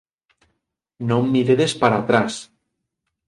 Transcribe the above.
Non miredes para atrás!